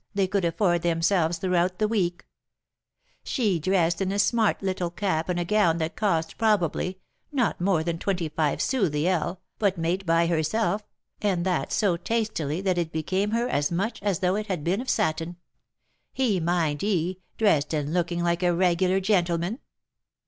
they could afford themselves throughout the week; she dressed in a smart little cap and a gown that cost, probably, not more than twenty five sous the ell, but made by herself, and that so tastily that it became her as much as though it had been of satin; he, mind ye, dressed and looking like a regular gentleman."